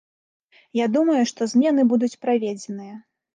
Я думаю, што змены будуць праведзеныя.